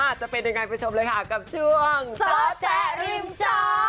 จะเป็นยังไงไปชมเลยค่ะกับช่วงจอแจ๊ริมจอ